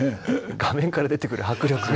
画面から出てくる迫力が。